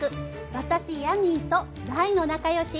私ヤミーと大の仲よし。